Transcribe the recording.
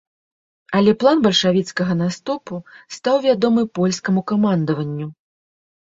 Але план бальшавіцкага наступу стаў вядомы польскаму камандаванню.